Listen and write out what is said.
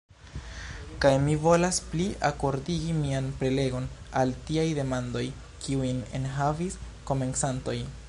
Kaj mi volas pli akordigi mian prelegon al tiaj demandoj, kiujn enhavis komencantoj.